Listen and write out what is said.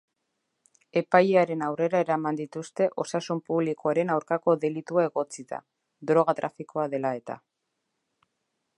Epailearen aurrera eraman dituzte osasun publikoaren aurkako delitua egotzita, droga-trafikoa dela eta.